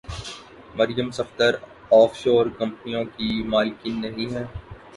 مریم Safdar offshore کمپنیوں کی مالکن نہیں ہیں؟